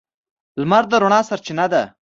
• لمر د رڼا سرچینه ده.